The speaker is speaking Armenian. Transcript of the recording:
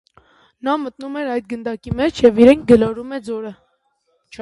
Նա մտնում է այդ գնդակի մեջ և իրեն գլորում է ձորը։